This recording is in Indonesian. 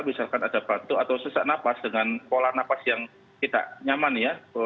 misalkan ada batuk atau sesak napas dengan pola nafas yang tidak nyaman ya